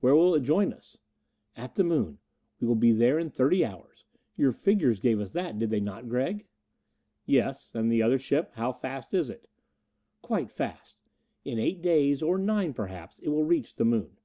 "Where will it join us?" "At the Moon. We will be there in thirty hours. Your figures gave that, did they not, Gregg?" "Yes. And the other ship how fast is it?" "Quite fast. In eight days or nine, perhaps it will reach the Moon."